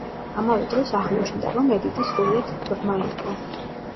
ამავე დროს აღმოჩნდა, რომ ედიტი სრულიად ბრმა იყო.